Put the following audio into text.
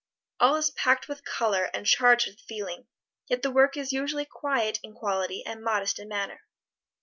All is packed with color, and charged with feeling, yet the work is usually quiet in quality and modest in manner.